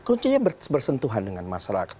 koncinya bersentuhan dengan masyarakat